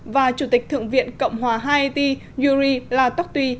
và chủ tịch thượng viện cộng hòa haiti yuri latucky